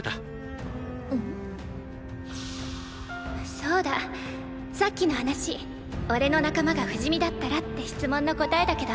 そうださっきの話おれの仲間が不死身だったらって質問の答えだけど。